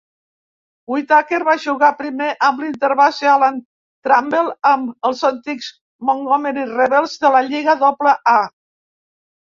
Whitaker va jugar primer amb l'interbase Alan Trammell amb els antics Montgomery Rebels de la lliga Doble A.